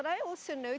ini adalah tanaman